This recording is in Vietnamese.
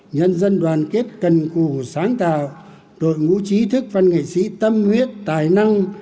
nhân dân đoàn kết cần cù sáng tạo đội ngũ trí thức văn nghệ sĩ tâm huyết tài năng